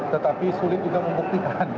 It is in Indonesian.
tetapi sulit juga membuktikan